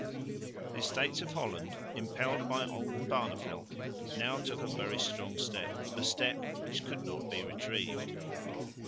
The Estates of Holland impelled by Oldenbarneveldt now took a very strong step, a step which could not be retrieved.